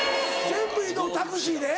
全部移動タクシーで？